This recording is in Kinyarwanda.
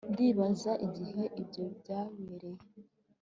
ndibaza igihe ibyo byabereye